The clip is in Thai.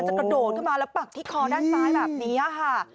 กระโดดขึ้นมาแล้วปักที่คอด้านซ้ายแบบนี้ค่ะ